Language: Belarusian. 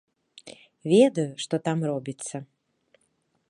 Ведаю, што там робіцца.